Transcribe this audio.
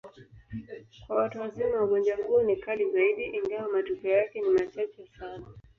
Kwa watu wazima, ugonjwa huo ni kali zaidi, ingawa matukio yake ni machache sana.